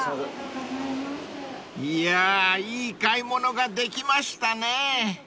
［いやあいい買い物ができましたね］